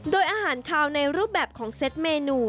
โดยอาหารคาวในรูปแบบของเซ็ตเมนู